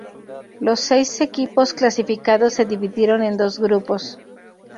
Los seis equipos clasificados se dividieron en dos grupos.